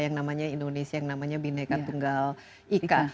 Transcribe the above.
yang namanya indonesia yang namanya bhinneka tunggal ika